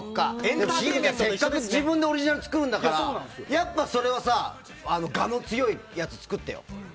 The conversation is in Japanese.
せっかく自分でオリジナルを作るんだからやっぱそれは我の強いやつを作ってよ。